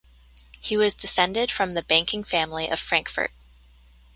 He was descended from the banking family of Frankfurt.